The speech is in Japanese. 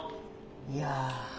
いや。